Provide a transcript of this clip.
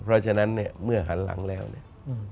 เพราะฉะนั้นเนี่ยเมื่อหันหลังแล้วเนี่ย